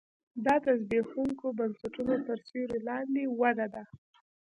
دا د زبېښونکو بنسټونو تر سیوري لاندې وده ده